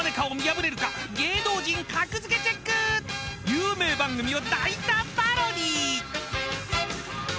［有名番組を大胆パロディー］